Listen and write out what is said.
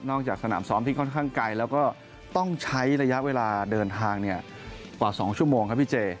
จากสนามซ้อมที่ค่อนข้างไกลแล้วก็ต้องใช้ระยะเวลาเดินทางกว่า๒ชั่วโมงครับพี่เจ